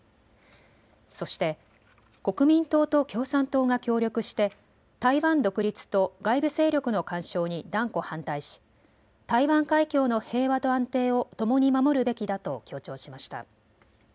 そして国民党と共産党が協力して台湾独立と外部勢力の干渉に断固反対し台湾海峡の平和と安定をともに守るべきだと強調しました。